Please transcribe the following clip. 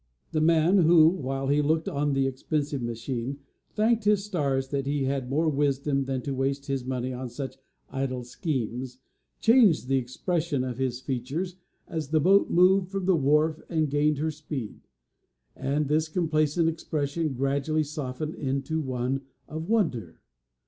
The man who, while he looked on the expensive machine, thanked his stars that he had more wisdom than to waste his money on such idle schemes, changed the expression of his features as the boat moved from the wharf and gained her speed, and his complacent expression gradually softened into one of wonder.